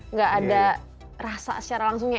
nggak ada rasa secara langsungnya